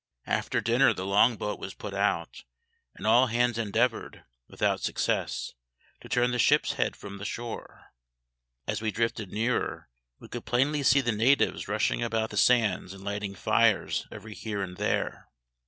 After dinner the long boat was put out, and all hands endeavoured, without success, to turn the ship's head from the shore. As we drifted nearer we could plainly see the natives rushing about the sands and lighting fires every here and there.